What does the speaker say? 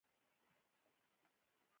هغه نرښځی دی.